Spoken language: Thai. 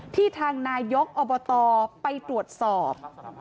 ทางนายกอบตไปตรวจสอบ